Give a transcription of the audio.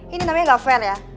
ini namanya gak fair ya